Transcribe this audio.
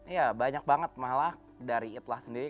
ya banyak banget malah dari itlah sendiri